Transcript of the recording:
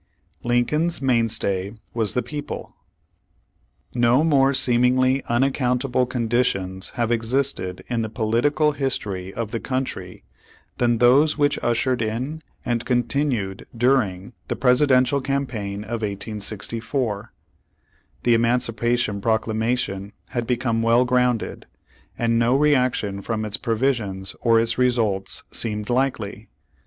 LIlyrCOLN'S MAINSTAY WAS THE PEOPLE No more seemingly unaccountable conditions have existed in the political history of the coun try than those which ushered in and continued during the Presidential campaign of 1864. The Emancipation Proclamation had become well grounded, and no reaction from its provisions or its results seemed likely.